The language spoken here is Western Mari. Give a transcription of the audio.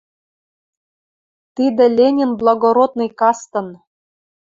Тидӹ Ленин «благородный» кастын —